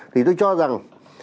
thì tôi cho rằng